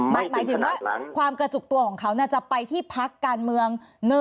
ไม่ถึงพนักหลังหมายถึงว่าความกระจุกตัวของเขาน่าจะไปที่พักการเมือง